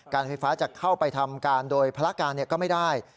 ไฟฟ้าจะเข้าไปทำการโดยภารการก็ไม่ได้